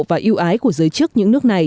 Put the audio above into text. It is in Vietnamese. các máy của giới chức những nước này